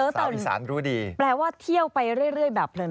แปลว่าเต๋อเต่นแปลว่าเที่ยวไปเรื่อยแบบเพลิน